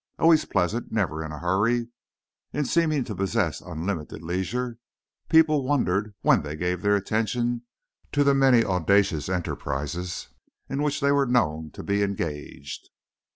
Always pleasant, never in a hurry, in seeming to possess unlimited leisure, people wondered when they gave their attention to the many audacious enterprises in which they were known to be engaged.